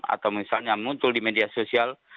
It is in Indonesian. atau misalnya muncul di media sosial